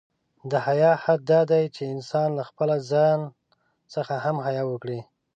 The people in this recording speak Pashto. د حیا حد دا دی، چې انسان له خپله ځان څخه هم حیا وکړي.